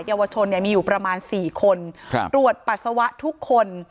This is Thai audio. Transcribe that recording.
เยาวชนมีอยู่ประมาณ๔คนตรวจปัสสาวะทุกคน